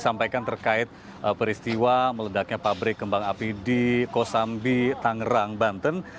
sampaikan terkait peristiwa meledaknya pabrik kembang api di kosambi tangerang banten